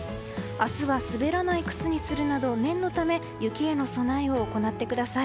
明日は滑らない靴にするなど念のため雪への備えを行ってください。